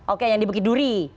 oke yang di bekiduri